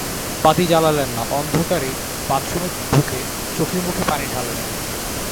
বাতি জ্বালালেন না, অন্ধকারেই বাথরুমে ঢুকে চোখে-মুখে পানি ঢাললেন।